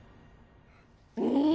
うん！